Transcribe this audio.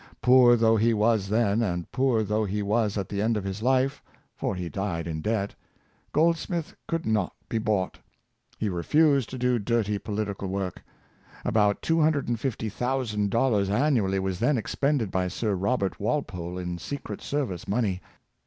Poor though he was then, and poor though he was at the end of his life — for he died in debt — Goldsmith could not be bought. He re fused to do dirty political work. About $250,000 an nually was then expended by Sir Robert Walpole in secret service money.